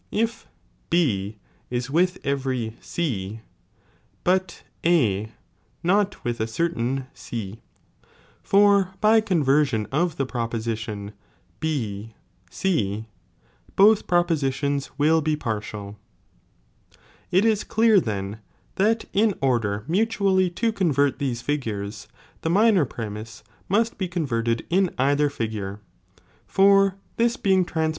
if B is with every C, but A not with a certain C, for by conversion of the proposition B C, both propositions will be partial. 4. Tbe CDDTcT It is clear then, that in order mutually to con JdinM'nrtBiiiB ^^""^ these figures,' the minor premise must be Decamrr tor converted in cither figure, for this being trans rcduciion.